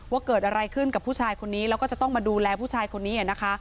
ว่าเกิดอะไรขึ้นกับผู้ชายคนนี้แล้วก็จะต้องมาดูแลผู้ชายคนนี้นะคะ